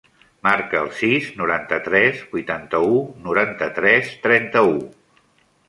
Marca el sis, noranta-tres, vuitanta-u, noranta-tres, trenta-u.